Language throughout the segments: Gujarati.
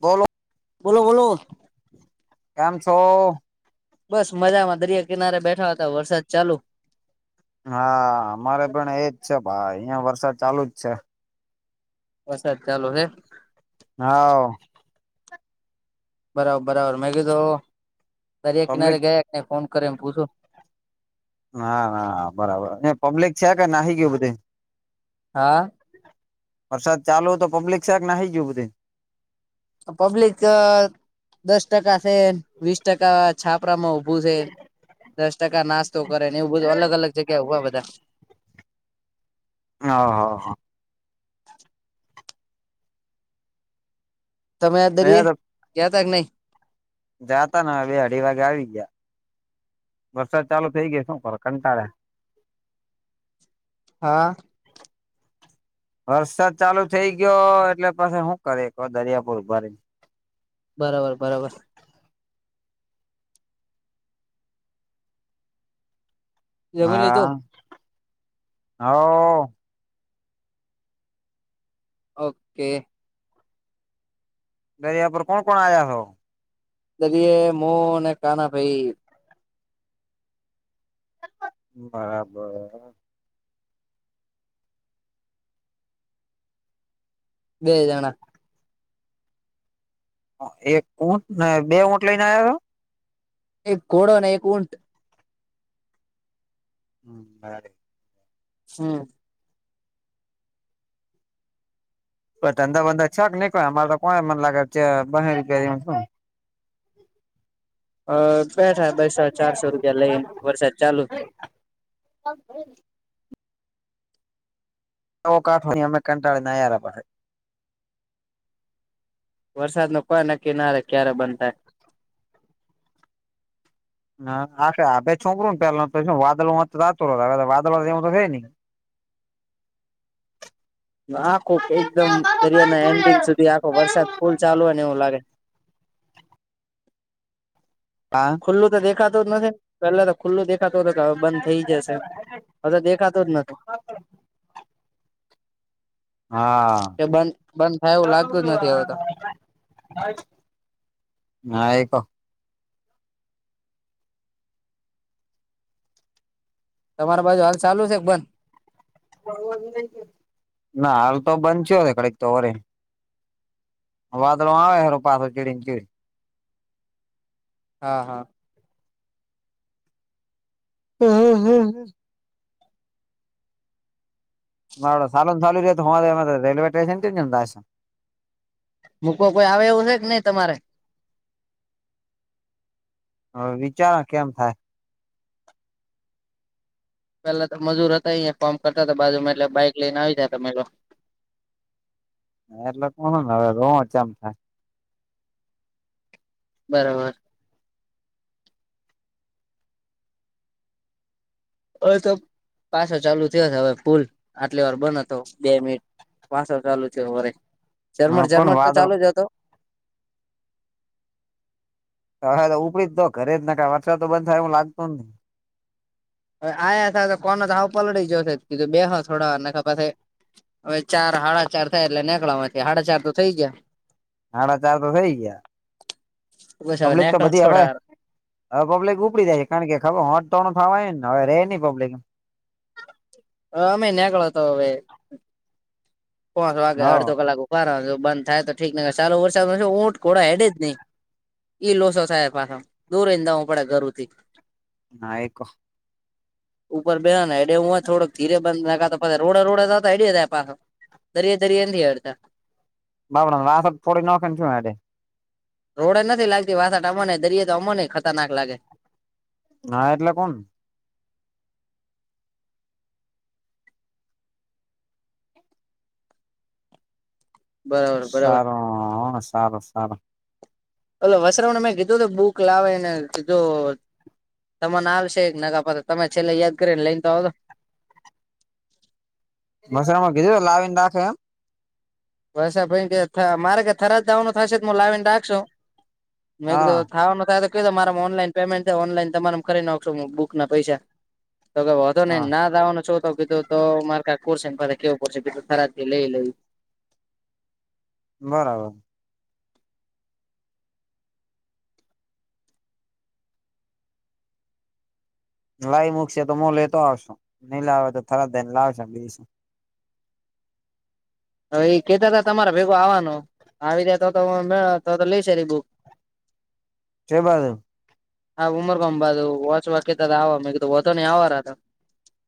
બોલો. બોલો બોલો. કેમ છો? બસ મજા માં દરિયા કિનારે બેઠા હતા વરસાદ ચાલુ. હા અમારે પણ એજ છે ભાઈ અહિયાં વરસાદ ચાલુ જ છે. વરસાદ ચાલો હે. હા. બરાબર બરાબર મેં કી તો, દરિયા કિનારે પબ્લિક ગયા ન ફોન કરે એમ પૂછું. ના ના બરાબર એ પબ્લિક છે કે નાહી કેયું બધું? હા. વરસાદ ચાલુ તો પબ્લિક શ છે કે નાઈ ગયું બધી? તો પબ્લિક દસ ટકા છે, વીસ ટકા છાપરામાં ઉભું છે. દસ ટકા નાસ્તો કરે ને એવું બધું અલગ અલગ જગ્યા હોવા બધા. હ હ હા. તમે ધરીએ, અહિયાં તો ક્યાં ત કે નહી? જાતા ને બે અઢી વાગે આવી ગયા. વરસાદ ચાલુ થઈ ગયો શું કર કંટાળે. હા. [inaudible] વરસાદ ચાલુ થઇ ગયો એટલે પછી શું કરે દરિયાપુર ભરી બરાબર બરાબર. જમી લીધું હા, હ. ઓકે. દરિયાપર કોણ કોણ આજ્યા છો? દદી એ મો ને કાના ભાઈ. બરાબર. બે જાણા. એક ઊંટને બે ઊંટ લઈને આવ્યા હતો? એક કોડોના એક ઊન્ટ. હમ બરાબર. હમ. પણ ધંધા બંધા છે કે નહી કો અમારે તો કો મને લાગે છે બ રૂપિયા શ. [inaudible] અ બેઠા બસો ચારસો રૂપિયા લઈ વરસાદ ચાલુ. હમ. તો કાઠો અમે કંટાળી ના પડે. વરસાદ નું કોઈ નક્કી ના ર ક્યારે બનતાય. હા બેે છોકરું ને પેલા તો વાદળમાંતું હવે વાદળ વા એ તો થાય ને. [inaudible] આખું એકદમ દરિયાના એન્ડિંગ સુધી આખો વરસાદ ફુલ ચાલુ હોય ને એવું લાગે. હા. ખુલ્લું તો દેખાતું જ નથી, પેલા તો ખુલ્લું દેખાતું હતું કે, હવે બંધ થઈ જશે. હ, તો દેખાતું જ નથી. હા. કે બંધ બંધ થાય એવું લાગતું જ નથી હવે તો [unintelligible] ના એક. તમારા બાજુ હાલ ચાલુ છે કે, બંધ? ના, હાલ તો બંધચ કડીક તો હોરે. વાદળ આવે હે, પાછો ચડીચ. હા, હા. હ, હમ, હ, હ. બ સાુંન ચાલુ ર હો રેલ્વે સ્ટેશન [unintelligible] મૂકવ કોઈ આવે એવું છે કે, નઈ તમારે. હ, વિચારો કેમ થાય? પેલા તો મજૂર હતા અહીયા ફોર્મ કરતા તો બાજુ માં, એટલે બાઇક લઈને આવી જાય તમે લોકો. ના, એટલે કોવે રચમ થ [unintelligible] બરાબર. હવે તો પાછો ચાલુ થયો હતો, હવે પુલ આટલી વાર બન હતો, બે મિનિટ. પાસો ચાલુ છે, વરે થાય જર્મન પણ જઝર્મન તો વાદળો ચાલુ જ હતો. હ, તો ઉપડી જ, તો ઘરે જ નાાય વરસાદ તો બંધ થાય, એ લાગતો જ નઈ. હવે આયા થ તો કોનો તોાવ પલળી ગયોીધું બે હ થોડા પછ [unintelligible] હવે ચાર હાડા ચાર થાય, એટલે નીકળવામાંથી સાડા ચાર તો થઈ ગયા. હમણા ચાર તો થઈ ગયા. પબ્લિક ઉછને તો બધી હવે છોડા. હવે પબ્લિક ઉપડી જાય છે, કારણ કે ખબર હોટ તોણ થવાય ને, હવેે નહી પબ્લિક. હ મહિને્યાગતો હવે [unintelligible] પાચ હ વાગે અડધો હા કલાક ઉપા બંધ થાય, તો ઠીક ન ચાલો, વરસાદ ન ઊંટ ખોડા હેડે જ નહી. ઈ લોસો સાહેબ પાછા દોરને, જું પડે ઘર થી. ના એક. ઉપર બે એડે હું થોડક ધીરે બંધ નાખી રોડે-રોડે એડેય પાછો. દરિેયા-દરિયા નથી હડતા. બાબર વા થોડી નાખેનેે. રોડ નથી લાગતી, વાસાટ અમ દરિયો તો અમને ખતરનાક લાગે. ના એટલે કોણ? બરોબર બરોબર સારું, સારું, સારું. ઓલો વસત્રવને મેં કીધું, તો બુક લાવે ને કીધું. તને આવશે, એક નગા પા તમે છેલ્લે યાદ કરીને લઈને તો આવજો‌. મસા માં કીધું લાવીને રાખે, એમ. બ ભાઈ કે, મારે કે થરા જ દવાનું થશે, હું લાવીને રાખશું. મે તો હા થવાનું થ. તમારા ઓનલાઈન પેમેન્ટ થાય, ઓનલાઈન તમામે કરી નાખશો બુક ના પૈસા. તો કે હતો ને, હા નાદવાનો છ તો કીધું તો, મારુ શેને પ કેવું પશે, બીધું થરાથી લઈ લઈ. બરાબર. લાવ મૂકશે તો, હ લેતો આવશું નહી લાવે તો, થરજને લાવશે બીસું. હ, એ કેતા હતા, તમારા ભેગો આવવાનો આવી જાય તો, મે તો લઈશ બુક. કે બાત હ [unintelligible] હા, ઉમર ગમ બા હોચ વા આવ મેધું હોતો નહી આવવા.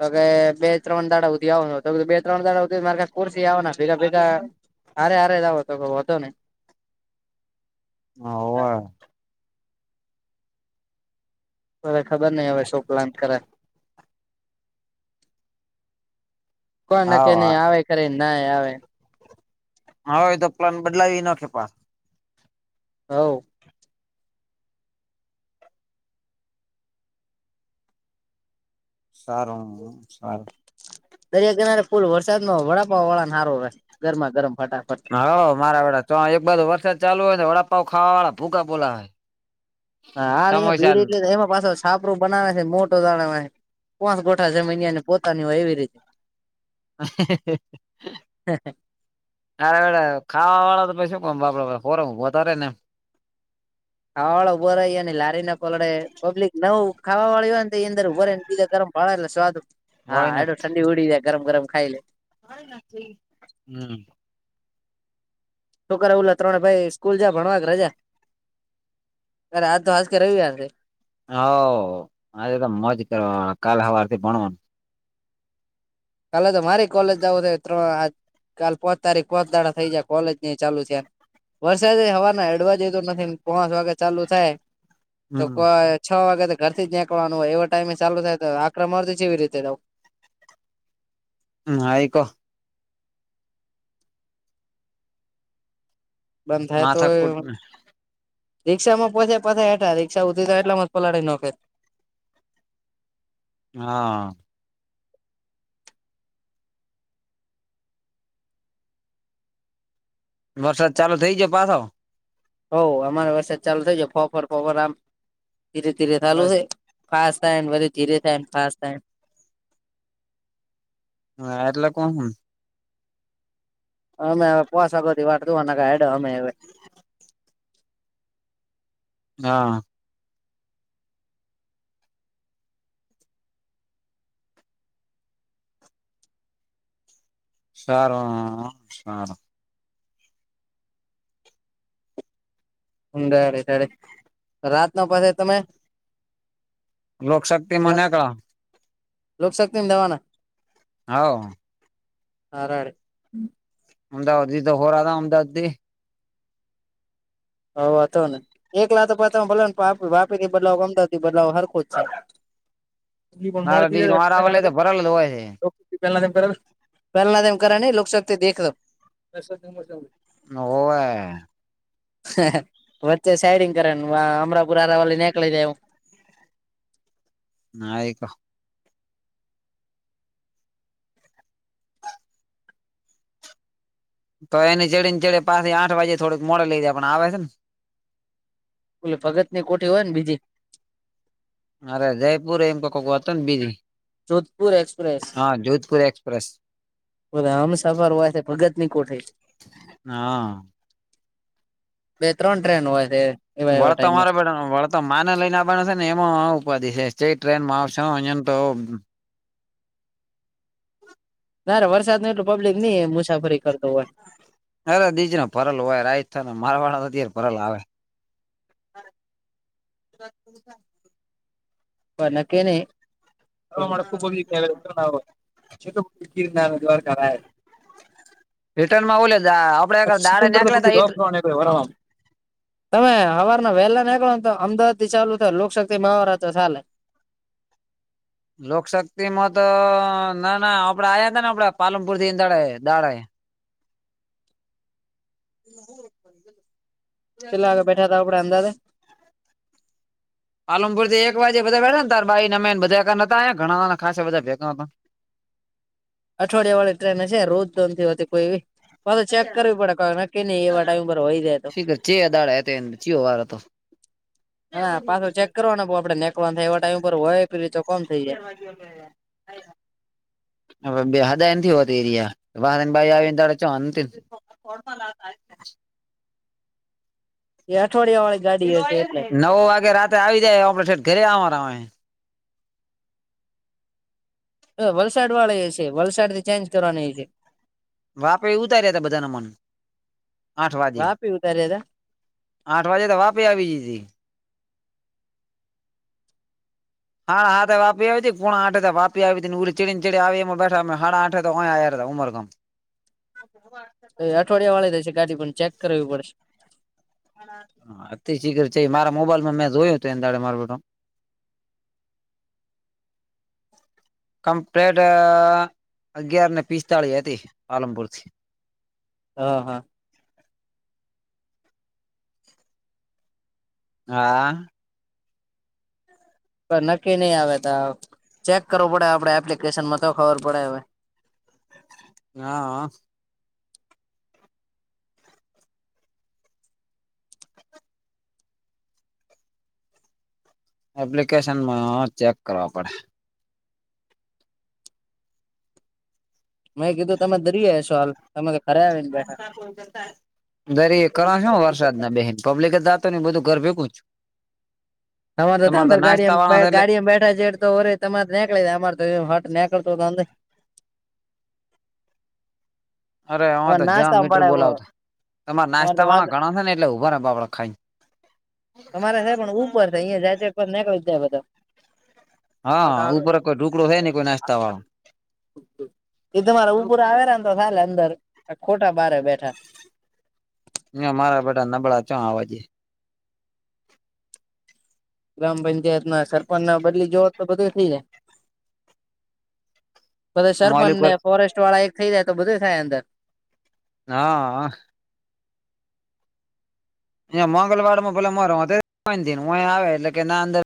તો કે બે-ત્રણ દાડા સુધી આવવાનું, બે-ત્રણ દાડાી મારે સી આવવાના. બ બેગા બ બેગા અરે અરે એ તો હોતો નને [unintelligible] હ. હ. હવે ખબર નઈ, હવે શો પ્લાન કરે. કો ના કે હા નહી આવે, કરે ના આવે. હાવે તો પ્લાન બદલાવી નાખ. હ. સારું, સારું. દરિયાકિનારે ફુલ વરસાદ ન વડાપા વળા નારો રહે, ગરમા-ગરમ ફટાફટ. હા, મારા વડા તો એક બાધો વરસાદ ચાલુ હોય, વડાપાવ ખાવા વાળા ભૂગા બોલા હોય. હાં, ભીડ એટલે એમાં પાસે આવ. છાપરું બનાવે છે, મોટો દણ છે, કોસ ગોઠા જમીનને પોતાની હોય એવી રીતે. હ. [unintelligible] અરે વડે ખાવા વાળા તો શું બાપડે હો હોતાારેે નેમ. ખાવા વાળા ઊભો રહી, અને લારી ના પલડે પબ્લિક નવ ખાવા વાળી હોય ને, એ અંદર ઉભ ર ને. ઈ ગરમ ભાળ એલા સ્વાદું. હા, વળી ના એડું ઠંડી ઉડી ગરમ-ગરમ ખાઈ લે. હમ [unintelligible] છોકરા ઓલા ત્રણે ભાઈ સ્કૂલ જા ભણવા કે, રજા અરે આજ તો હાજ કે રવ છે. હ, આજે તો મજ કરવા, કાલે હવારથી ભણવાનું. કાલે તો મારી કોલેજું થ ત્ર [unintelligible] કાલ પોચ તારીખ પોચાડા થઈ જાય, કોલેજ ની ચાલુ છે. વરસાદ હવાના એડવાજ તો નથી, પાચ વાગે ચાલુ થાય. તો હમ કોઈ છ વાગે તો ઘર થી જ નીકળવાનું હોય, એવો ટાઈમે ચાલુ થાય, તો આક મળતી એવી રીતે. હમ, આઈકો. બંધ થાય તો. માથાકૂટ રીક્ષામાં પછ્યા પાછેઠા, રીક્ષા ઉરી તો એટલામાં જ પલાળી નાખે. હા. વરસાદ ચાલુ થઇ જયો પાછો. હો, અમારે વરસા જ ચાલુ થઇ છે, ફફર ફફર આમ ધીરે-ધીરે ચાલુ બસ છે. ખાસા વરી ધીરે થન ખાસ્ટન હ, આ એલા લે કોણ? અમે પોસગોથી વાટવા ના એડ અમે. હા. સારું, સારું. ઊડાડે રાત ન પાસે તમે. લોકશક્તિ મને ક. લોક શકતી ને દવાના. હા. હરાડ. અમાવાદી તો હોર, આ અમદવાદી. હ, વાતા ને. એકલા તો પોતામાં ભ વાપી થી બદલાવ, અમદાવાદથી બદલાવો હરખો જ છે. [unintelligible] લા મારા ડીજ મારા લઈ તો ભરેલ જ હોય છે પહેલામ કરા લોસ દખ દો હવે. હ, વચ્ચે સઈડીંગ કરે અમ્રપુરાર વલ નાનેકલ દે એવું. નાય ક તો એની ચડી ને ચડે પાસેથી આઠ વાગે થોડુંક મોડે લઈ જાય પણ આવે છે ને. બ ભગત ની કોઠી હોય ને બીજી. અરે જયપુર એમ કોકક વાત ને બીઝી. જોધપુર એક્સપ્રેસ. હા જોધપુર એક્સપ્રેસ. બ આમ સફર હોય છે ભગત ની કોઠાઈ. હા. બે ત્રણ ટ્રેન હોય છે. એવા એવા ટાઈમે વળતારે બે વળ તો માને લઈને આવના હશે ને એમાં ઉપાધિ છે જે ટ્રેન માં આવશે અહીંયા તો નારે વરસાદ ન એટલું પબ્લિક નની મુસાફરી કરતો હોય. અરે દીજ પરરલ હોય રાઈ થને મારવાડા અત્યારે પરલ આવે. [inaudible] વ નાકેનીક- - [unintelligible] છ કીર ના દ્વારકા. રિટર્નમાં આપડે દાે નેકલા વરામ [unintelligible] તમે અવાર ના વહેલા નીકળો ને તો અમદાવાદ થી ચાલુ થ લોકશક્તિ માં અવાર તો ચાલે. લોકશક્તિ માં તો ના ના આપડે આયા હતા ને આપડાે પાલનપુર થીંદાડા દાડાય. [inaudible] ચેલે આગ બેઠા હતા આપડ અંદાજે? આલમપુરથી એક વાગે બધાળાનેારાઈ નમેન બધા નતા્યા ઘણા ખાસ બધા ભેગા હતા. અઠવાડિયા વાળી ટ્રેન હશે રોજ જોોન થી હોતી કોઈ એવી. હ તો ચેક કરવી પડે નક્કી નહ એવા ટાઈમ ઉપ હોય જાય તો. શી ખબર ચે દાડે હતો ચિયો વાર હતો હા પાછો ચેક કરવા ને આપડે નેકવા થાય એવા ટાઈમ ઉપર હોય રતે. જ ભાગ આ- - [unintelligible] હવે બે હદાય હોત એરિયા વાહને બાાઈ આવીને ત ચવા લતા- - [unintelligible] અઠવાડિયાવાળ છે. નવ વાગે રાત્ર આવી જાય આપડ છેઠ ઘરે આવરા હોય. હ વલસાડ વાળા એ છે વલસાડ થી ચેન્જ કરવાની છે. વાપે એ ઉતાર્યા હતા બધાના મન આઠ વાગે. વાપી ઉતાર્યા આઠ વાજે તો વાપે આવી જઈથી. હાડા હા વાપી આવી હતી કુણા આઠે વાપી આવી હતી ઉ ચડીને ચડી એમાં બેઠા હાડા આઠ તોયા આવ્યા હતા ઉમરગામ. બવા. [unintelligible] અઠવાડિયા વાળાી દેશે ગાડી પણ ચેક કરવી પડશે. હ અતિ શીર છે મારા મોબાઈલમાં મેં જોયું હતું એ દાડે મારટ. કમ્પ્લેટ અગિયાર ને પિસ્તાળીસ હતી પાલનપુર થી. હ હા. હા. નક્કી નહી આવે તો ચેક કરવું પડે આપડે એપ્લિકેશનમાં તો ખબર પડે હવે. હા. એપ્લિકેશનમાં ચેક કરવા પડે. મેં કીધું તમે દરી હ છો, હાલ તમે ખરે આવી ને બેઠા. [unintelligible] દરે કરો છો ને, વરસાદ ના બ બેન પબ્િક જતો ને બધું ઘર ભેગુંું.. તમારે તો અંદર નાસ્તા ગાડી વાળા છે એટલે ગાડીમાં બેઠા છે, તો હો [unintelligible] અરે આમે અમારે તો જ્યાં નાસ્તા મીટર પડાવો બોલાવતા તમારે અમારે તો નાસ્તા વાત વાળા ઘણા થ ને એટલે ઉઊભા ર બાપડા ખાઈ. તમારે છે પણ, ઉપર છે અિયાં જાયતે નીકળી જાય બધા. હા, ઉપર કોઈ ઢુકડો હ ને કોઈ નાસ્તા વાળો. એ તમારા ઉપર આવેલા ને તો થાલે અંદર ખોટા બારે બેઠા. હ, મારા બધા નબળા ચો આવાજે. ગ્રામ પંચાયત ના સરપંચ ના બદલી જોવો તો બધું થઇ જાય. બધ મોલું સરર્પન ને કરે. ફોરેસ્ટ વાળા એક થઈ જાય તો બધું થાય અંદર. હા. અ મંગળવાર માં ભલા માર હુંયા આવે એટલે કે, નાના અંદર